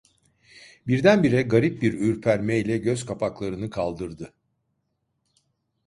Birdenbire garip bir ürpermeyle gözkapaklarını kaldırdı.